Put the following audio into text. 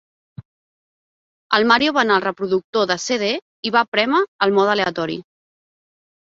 El Mario va anar al reproductor de CD i va prémer el mode aleatori.